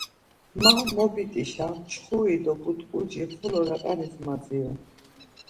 Ma mobit̆işa mçxuri do but̆ǩuci xolo raǩanis madziru.